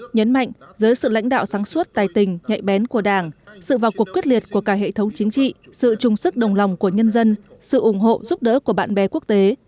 nhấn mạnh dưới sự lãnh đạo sáng suốt tài tình nhạy bén của đảng sự vào cuộc quyết liệt của cả hệ thống chính trị sự chung sức đồng lòng của nhân dân sự ủng hộ giúp đỡ của bạn bè quốc tế